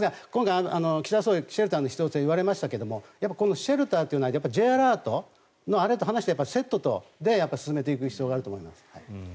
岸田総理、シェルターと言われましたがシェルターはＪアラートの話とセットで進めていく必要があると思います。